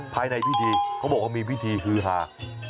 ภายในพิธีเขาบอกว่ามีพิธีฮือฮา